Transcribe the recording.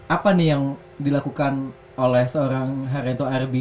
apa nih yang dilakukan oleh seorang haryanto arbi